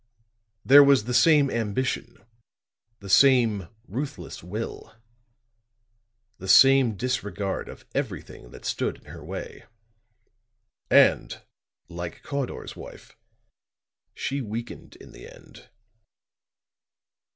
There was the same ambition the same ruthless will the same disregard of everything that stood in her way. And, like Cawdor's wife, she weakened in the end."